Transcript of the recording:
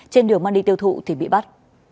trên đường mang đi tiêu thụ thì bị bắt